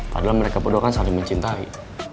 padahal mereka berdua kan saling mencintai